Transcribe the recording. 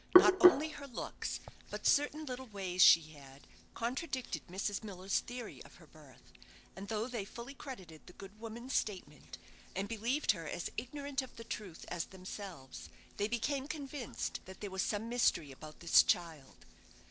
Not only her looks, but certain little ways she had, contradicted Mrs. Miller's theory of her birth, and though they fully credited the good woman's statement, and believed her as ignorant of the truth as themselves, they became convinced that there was some mystery about this child.